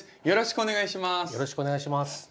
よろしくお願いします。